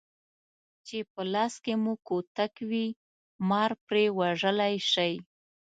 چې په لاس کې مو کوتک وي مار پرې وژلی شئ.